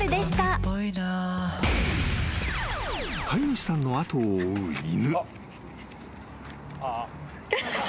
［飼い主さんの後を追う犬］